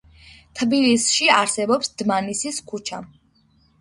თბილისში არსებობს დმანისის ქუჩა.